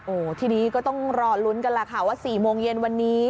โอ้โหทีนี้ก็ต้องรอลุ้นกันแหละค่ะว่า๔โมงเย็นวันนี้